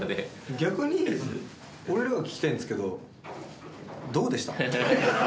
逆に、俺らが聞きたいんですけど、どうでした？